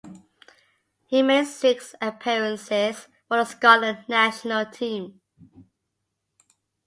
He made six appearances for the Scotland national team.